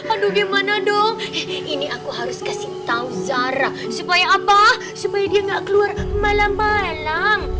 aduh gimana dong ini aku harus kasih tahu zara supaya apa supaya dia nggak keluar malam malam